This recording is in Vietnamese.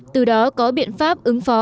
từ đó có biện pháp ứng phó